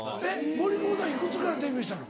森久保さん幾つからデビューしたの？